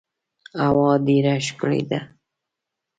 هوا ډیره ښکلې ده .